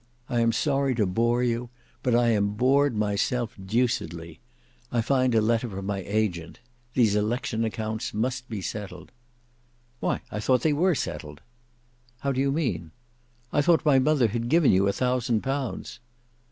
I am sorry to bore you, but I am bored myself deucedly. I find a letter from my agent. These election accounts must be settled." "Why, I thought they were settled." "How do you mean?" "I thought my mother had given you a thousand pounds."